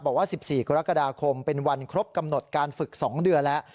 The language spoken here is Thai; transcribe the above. บอกว่า๑๔กรกฎาคมเป็นวันครบกำหนดการฝึก๒เดือนแล้ว